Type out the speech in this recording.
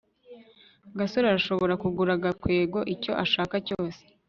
gasore arashobora kugura gakwego icyo ashaka cyose